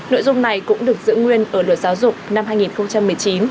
nội dung này cũng được giữ nguyên ở luật giáo dục năm hai nghìn một mươi chín